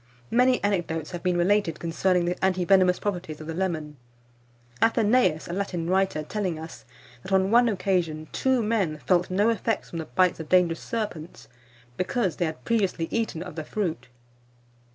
Many anecdotes have been related concerning the anti venomous properties of the lemon; Athenaeus, a Latin writer, telling us, that on one occasion, two men felt no effects from the bites of dangerous serpents, because they had previously eaten of this fruit.